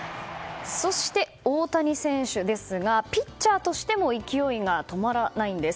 そして、大谷選手ですがピッチャーとしても勢いが止まらないんです。